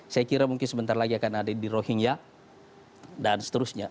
saya kira mungkin sebentar lagi akan ada di rohingya dan seterusnya